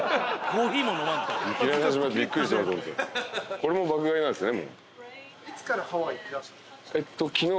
これも『爆買い』なんですね。